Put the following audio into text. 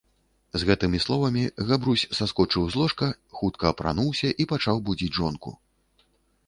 З гэтымi словамi Габрусь саскочыў з ложка, хутка апрануўся i пачаў будзiць жонку.